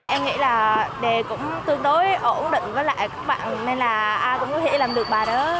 em nghĩ là đề cũng tương đối ổn định với lại các bạn nên là ai cũng có thể làm được bài đó